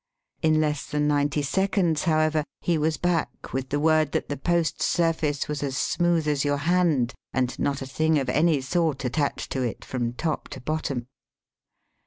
In less than ninety seconds, however, he was back with word that the post's surface was as smooth as your hand and not a thing of any sort attached to it from top to bottom.